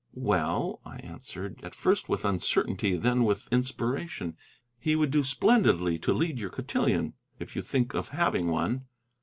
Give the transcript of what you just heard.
"Well," I answered, at first with uncertainty, then with inspiration, "he would do splendidly to lead your cotillon, if you think of having one."